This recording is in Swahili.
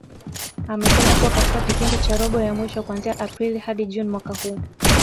Amesema kuwa katika kipindi cha robo ya mwisho kuanzia Aprili hadi Juni mwaka huu